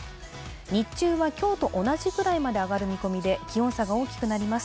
日中は今日と同じくらいまで上がる見込みで気温差が大きくなります。